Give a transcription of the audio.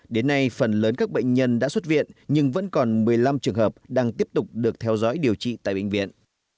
đến nay phần lớn các bệnh nhân đã xuất viện nhưng vẫn còn một mươi năm trường hợp đang tiếp tục được theo dõi điều trị tại bệnh viện